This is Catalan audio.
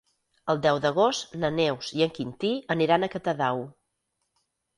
El deu d'agost na Neus i en Quintí aniran a Catadau.